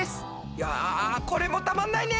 いやこれもたまんないね！